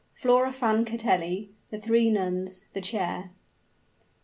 FLORA FRANCATELLI THE THREE NUNS THE CHAIR.